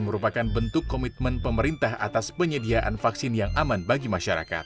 merupakan bentuk komitmen pemerintah atas penyediaan vaksin yang aman bagi masyarakat